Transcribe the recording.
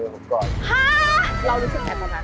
เรารู้สึกแอบนั้น